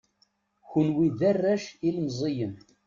Kunwi d arrac ilemẓiyen.